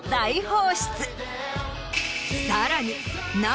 さらに。